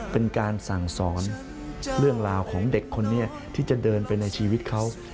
เป็นการสั่งสอนเรื่องราวของเด็กคนนี้ที่จะเดินไปในชีวิตเขา